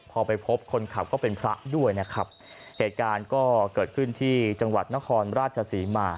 พอไปพบคนขับก็เป็นพระด้วยนะครับเหตุการณ์ก็เกิดขึ้นที่จังหวัดนครราชศรีมา